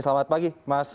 selamat pagi mas